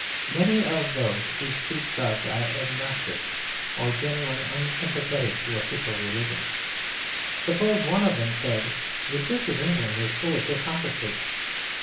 Many of those who speak thus are agnostic or generally unsympathetic to official religion. Suppose one of them said "The Church of England is full of hypocrisy."